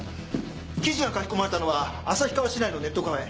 記事が書き込まれたのは旭川市内のネットカフェ